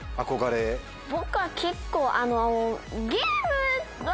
僕は結構。